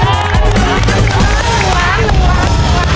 เหลือเพียงกล่องเดียวเท่านั้น